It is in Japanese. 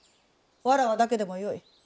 わらわだけでもよい。